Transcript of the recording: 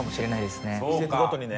季節ごとにね。